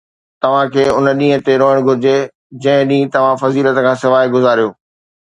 توهان کي ان ڏينهن تي روئڻ گهرجي جنهن ڏينهن توهان فضيلت کان سواءِ گذاريو